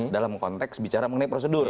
dalam konteks bicara mengenai prosedur